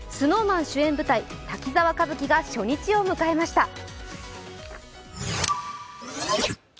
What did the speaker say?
ＳｎｏｗＭａｎ主演舞台「滝沢歌舞伎」が初日を迎えました。